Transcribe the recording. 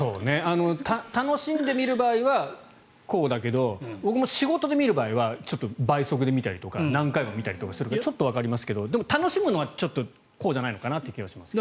楽しんで見る場合はこうだけど僕も仕事で見る場合は倍速で見たりとか何回も見たりするのでちょっとわかりますけどでも楽しむのはこうじゃないのかなという気はします。